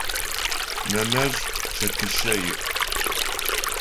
Нэнэжъ чэтишъэ иӏ.